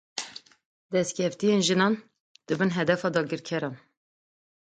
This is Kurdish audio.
Destkeftiyên jinan dibin hedefa dagirkeran.